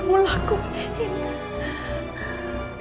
mama pasti akan beritahu